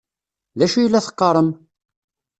D acu ay la teqqarem?